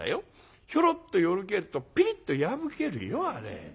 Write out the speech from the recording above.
ひょろっとよろけるとぴりっと破けるよあれ。